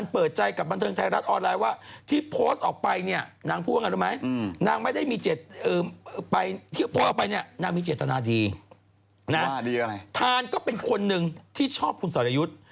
นาธารก็เป็นคนนึงที่ชอบคุณสหร่ายุทธ์